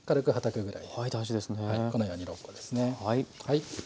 はい。